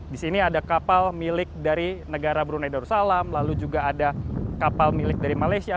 di sini ada kapal milik dari negara brunei darussalam lalu juga ada kapal milik dari malaysia